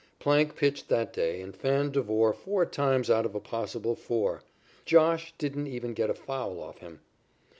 Plank pitched that day and fanned Devore four times out of a possible four. "Josh" didn't even get a foul off him.